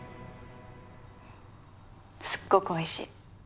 すっごくおいしい。